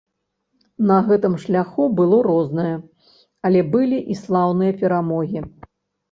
На гэтым шляху было рознае, але былі і слаўныя перамогі.